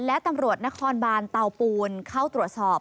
และตำรวจนครบานเตาปูนเข้าตรวจสอบ